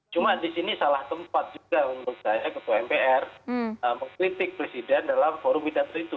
cuma di sini salah tempat juga menurut saya ketua mpr mengkritik presiden dalam forum pidato itu